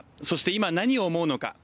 そして今、何を思うのか。